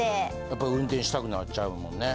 やっぱ運転したくなっちゃうもんね。